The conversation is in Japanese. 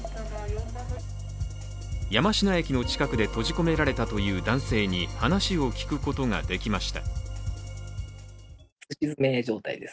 山科駅の近くで閉じ込められたという男性に話を聞くことができました。